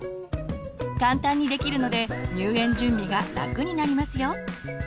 簡単にできるので入園準備が楽になりますよ。